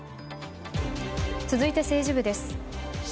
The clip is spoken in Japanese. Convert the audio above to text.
続いて、政治部です。